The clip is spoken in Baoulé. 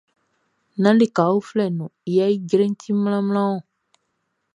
Nán lika uflɛ nun yɛ ijreʼn ti mlanmlanmlan ɔn.